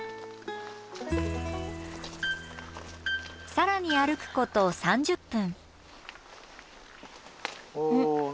更に歩くこと３０分。